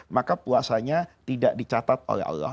maka puasanya tidak dicatat oleh allah